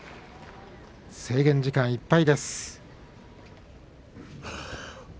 制限時間がいっぱいです。